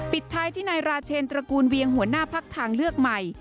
ปิดท้ายที่นายราเชนตระกูลเวียงหัวหน้าพักทางเลือกใหม่